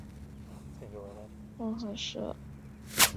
莫贺设是在七世纪早期西突厥汗国属部可萨人的叶护和将军。